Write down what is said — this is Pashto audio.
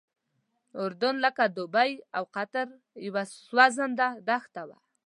اردن لکه دوبۍ او قطر یوه سوځنده دښته وه.